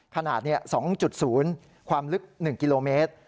ขนาด๒๐ความลึก๑กิโลเมตร